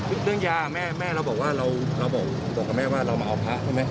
เรื่องยาแม่แม่เราบอกว่าเราบอกกับแม่ว่าเรามาเอาพระใช่ไหม